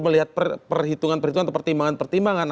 melihat perhitungan perhitungan atau pertimbangan pertimbangan